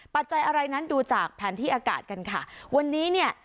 ปัจจัยอะไรนั้นดูจากแผนที่อากาศกันค่ะวันนี้เนี่ย